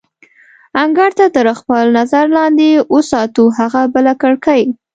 انګړ تر خپل نظر لاندې وساتو، هغه بله کړکۍ.